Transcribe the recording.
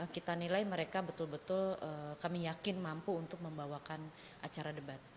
kita nilai mereka betul betul kami yakin mampu untuk membawakan acara debat